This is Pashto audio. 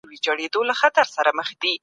دا پوسټ له خپلو ټولو دوستانو سره شریک کړئ.